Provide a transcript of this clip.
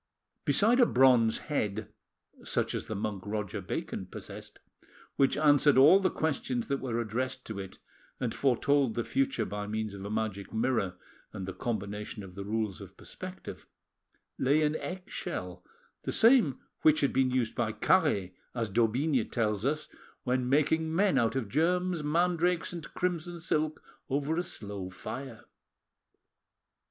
Beside a bronze head, such as the monk Roger Bacon possessed, which answered all the questions that were addressed to it and foretold the future by means of a magic mirror and the combination of the rules of perspective, lay an eggshell, the same which had been used by Caret, as d'Aubigne tells us, when making men out of germs, mandrakes, and crimson silk, over a slow fire.